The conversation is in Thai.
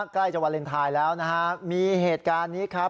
ใกล้จะวาเลนไทยแล้วนะฮะมีเหตุการณ์นี้ครับ